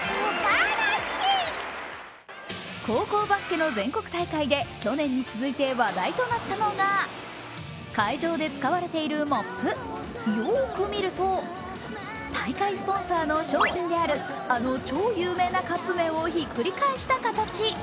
高校バスケの全国大会で去年に続いて話題となったのが会場で使われているモップ、よーく見ると大会スポンサーの商品であるあの超有名なカップ麺をひっくり返した形。